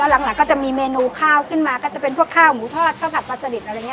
หลังก็จะมีเมนูข้าวขึ้นมาก็จะเป็นพวกข้าวหมูทอดข้าวผัดปลาสลิดอะไรอย่างนี้